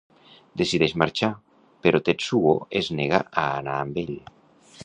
Decideix marxar, però Tetsuo es nega a anar amb ell.